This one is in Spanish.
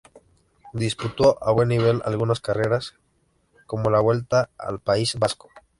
Disputó a buen nivel algunas carreras como la Vuelta al País Vasco.